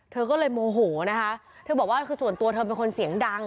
เธอก็เลยโมโหนะคะเธอบอกว่าคือส่วนตัวเธอเป็นคนเสียงดัง